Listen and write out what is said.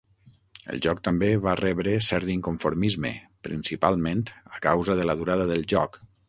El joc també va rebre cert inconformisme, principalment a causa de la durada del joc.